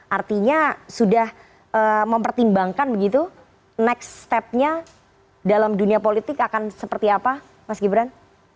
artinya sudah mempertimbangkan begitu next step nya dalam dunia politik akan seperti apa mas gibran